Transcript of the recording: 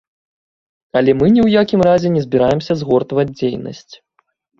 Але мы ні ў якім разе не збіраемся згортваць дзейнасць.